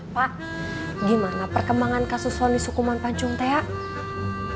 pak gimana perkembangan kasus sony sukuman pancung teh